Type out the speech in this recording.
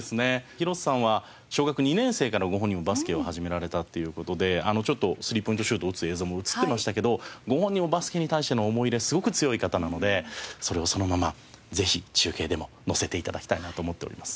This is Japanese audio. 広瀬さんは小学２年生からご本人もバスケを始められたっていう事でスリーポイントシュートを打つ映像も映ってましたけどご本人もバスケに対しての思い入れすごく強い方なのでそれをそのままぜひ中継でものせて頂きたいなと思っております。